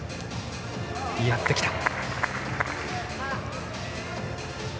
やってきた。